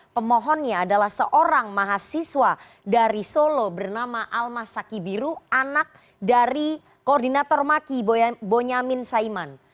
pemohonnya adalah seorang mahasiswa dari solo bernama almas saki biru anak dari koordinator maki bonyamin saiman